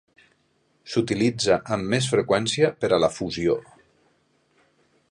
S'utilitza amb més freqüència per a la fusió.